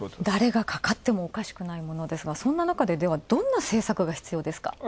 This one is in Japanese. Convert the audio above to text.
誰がかかってもおかしくないものですが、そんななかでどんな政策が必要ですか。